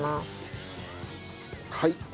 はい。